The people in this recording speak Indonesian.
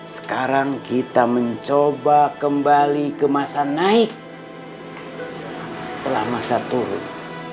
sekarang kita mencoba kembali ke masa naik setelah masa turun